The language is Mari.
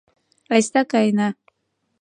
Айста, каена!..